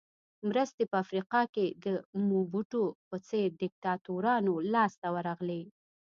مرستې په افریقا کې د موبوټو په څېر دیکتاتورانو لاس ته ورغلې.